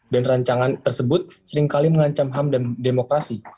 dan rancangan tersebut seringkali mengancam ham dan demokrasi